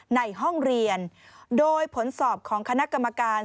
ในห้องเรียนโดยผลสอบของคณะกรรมการ